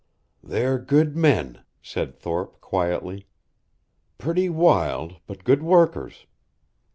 "They're good men," said Thorpe, quietly. "Pretty wild, but good workers."